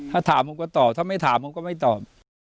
ถ้าถามผมก็ตอบถ้าไม่ถามผมก็ไม่ตอบ